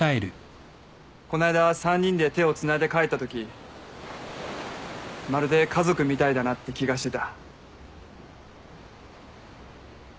こないだ３人で手をつないで帰ったときまるで家族みたいだなって気がしてた。